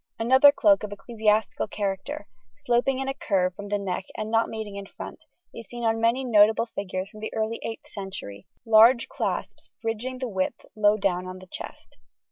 Another cloak of ecclesiastical character, sloping in a curve from the neck and not meeting in front, is seen on many notable figures from the early 8th century, large clasps bridging the width low down on the chest.